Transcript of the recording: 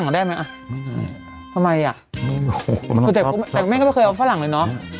นี่ไหนทำไมอ่ะคือแดกแต่แม่งก็ไม่เคยเอาฝรั่งเลยเนอะ